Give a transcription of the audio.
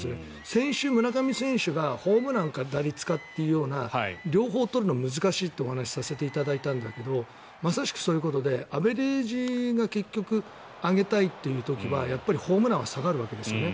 先週、村上選手がホームランか打率かというような両方取るのは難しいってお話をさせていただいたんだけどまさしくそういうことでアベレージを上げたいという時はホームランは下がるわけですよね。